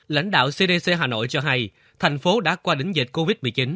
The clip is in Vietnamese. lãnh đạo cdc hà nội cho hay thành phố đã qua đỉnh dịch covid một mươi chín